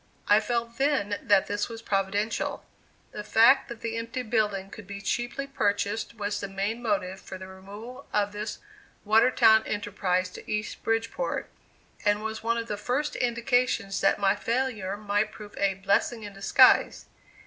I felt then that this was providential; the fact that the empty building could be cheaply purchased was the main motive for the removal of this Watertown enterprise to East Bridgeport, and was one of the first indications that my failure might prove a "blessing in disguise."